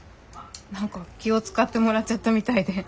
何か気を遣ってもらっちゃったみたいで。